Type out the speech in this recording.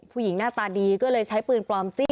ผู้หญิงน่าตาดีก็เลยใช้ปืนปลอมจี้